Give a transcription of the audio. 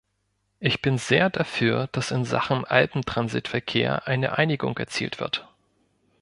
Ich bin sehr dafür, dass in Sachen Alpentransitverkehr eine Einigung erzielt wird.